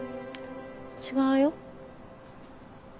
違うよ。